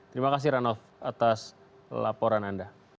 terima kasih ranoff atas laporan anda